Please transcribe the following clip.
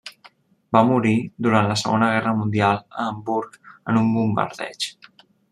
Va morir durant la Segona Guerra Mundial a Hamburg en un bombardeig.